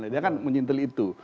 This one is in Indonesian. dia kan mencintil itu